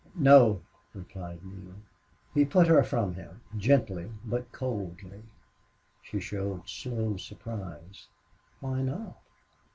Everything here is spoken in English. "No," replied Neale. He put her from him, gently but coldly. She showed slow surprise. "Why not?